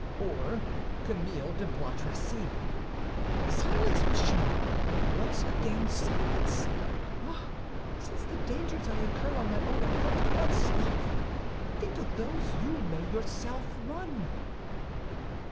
"Or Camille de Bois Tracy." "Silence, monsieur! Once again, silence! Ah, since the dangers I incur on my own account cannot stop you, think of those you may yourself run!"